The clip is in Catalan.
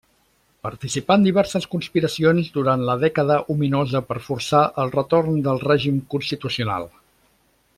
Participà en diverses conspiracions durant la Dècada Ominosa per forçar el retorn del règim constitucional.